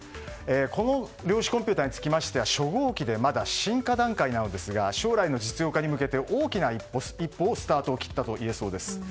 この量子コンピューターにつきましては初号機でまだ進化段階ですが将来の実用化に向けて大きな一歩、スタートを切ったといえそうです。